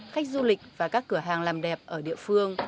khách du lịch và các cửa hàng làm đẹp ở địa phương